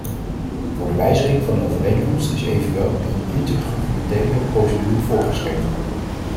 Voor de wijziging van de overeenkomst is evenwel een intergouvernementele procedure voorgeschreven.